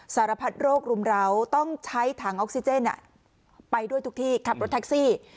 สารพัดโรครุมร้าวต้องใช้ถังออกซิเจนไปด้วยทุกที่ขับรถแท็กซี่